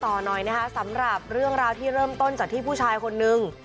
หน่อยนะคะสำหรับเรื่องราวที่เริ่มต้นจากที่ผู้ชายคนนึง